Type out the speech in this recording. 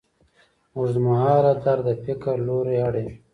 اوږدمهاله درد د فکر لوری اړوي.